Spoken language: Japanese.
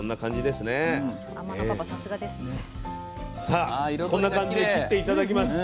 さあこんな感じで切って頂きます。